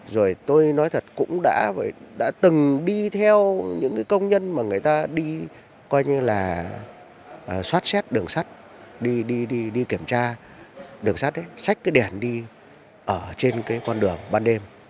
rồi tôi nói thật cũng đã từng đi theo những công nhân mà người ta đi coi như là xoát xét đường sắt đi kiểm tra đường sắt đấy xách cái đèn đi ở trên cái con đường ban đêm